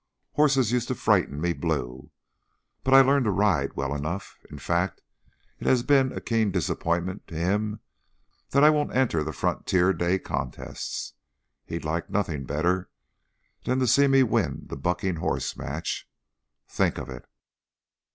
Horses used to frighten me blue, but I learned to ride well enough. In fact, it has been a keen disappointment to him that I won't enter the Frontier Day contests. He'd like nothing better than to see me win the bucking horse match. Think of it!